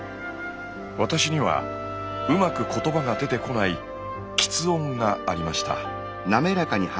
私にはうまく言葉が出てこない「吃音」がありました。